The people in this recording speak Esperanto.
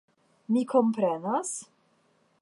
Mi komprenas?